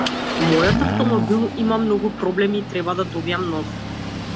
Мојот автомобил има многу проблеми и треба да добијам нов.